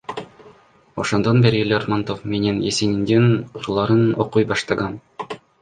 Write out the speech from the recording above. Ошондон бери Лермонтов менен Есениндин ырларын окуй баштагам.